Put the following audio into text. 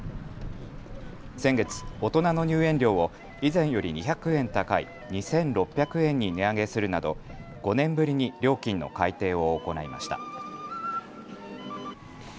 先月、大人の入園料を以前より２００円高い２６００円に値上げするなど５年ぶりに料金の改定を行いました。